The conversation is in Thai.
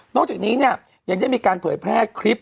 จากนี้เนี่ยยังได้มีการเผยแพร่คลิป